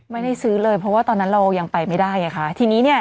ไม่ได้ซื้อเลยเพราะว่าตอนนั้นเรายังไปไม่ได้ไงคะทีนี้เนี่ย